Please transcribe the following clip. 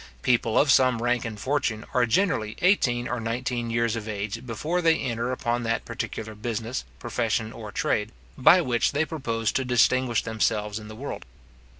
People of some rank and fortune are generally eighteen or nineteen years of age before they enter upon that particular business, profession, or trade, by which they propose to distinguish themselves in the world.